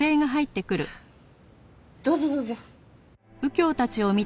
どうぞどうぞ。